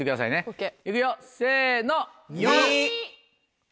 ＯＫ。